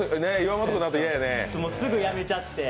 すぐやめちゃって。